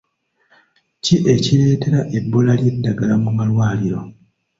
Ki ekireetera ebbula ly'eddagala mu malwaliro?